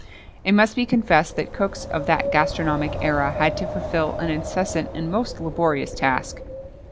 [XXII 26] It must be confessed that cooks of that gastronomic era had to fulfil an incessant and most laborious task.